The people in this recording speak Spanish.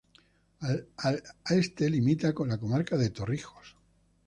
Al este limita con la comarca de Torrijos.